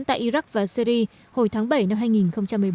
tại iraq và syri hồi tháng bảy năm hai nghìn một mươi bốn